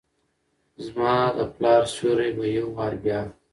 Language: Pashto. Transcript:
زماد پلار سیوری به ، یو وارې بیا،